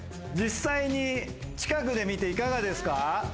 実際に近くで見ていかがですか？